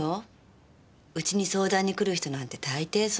うちに相談に来る人なんて大抵それ。